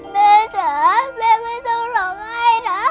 แม่จ๋าแม่ไม่ต้องร้องไห้นะ